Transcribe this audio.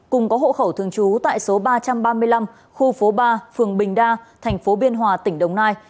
cùng có hộ khẩu thường trú tại số ba trăm ba mươi năm khu phố ba phường bình đa thành phố biên hòa tỉnh đồng nai